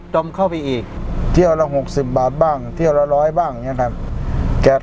เหมือนกำลังจะฟื้นจากรอบแรก